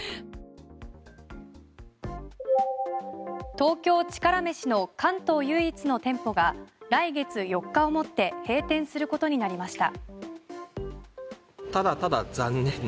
東京チカラめしの関東唯一の店舗が来月４日をもって閉店することになりました。